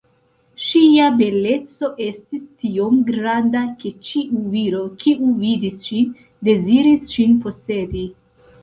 Ŝia beleco estis tiom granda, ke ĉiu viro, kiu vidis ŝin, deziris ŝin posedi.